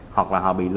hoặc là họ bị bệnh